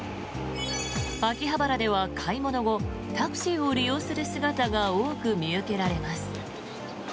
秋葉原では買い物後タクシーを利用する姿が多く見受けられます。